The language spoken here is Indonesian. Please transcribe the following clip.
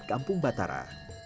di kampung batara